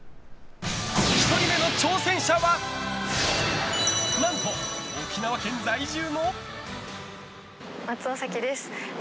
１人目の挑戦者は何と、沖縄県在住の。